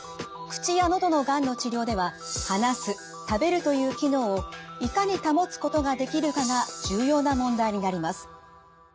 口や喉のがんの治療では「話す」「食べる」という機能をいかに保つことができるかが重要な問題になります。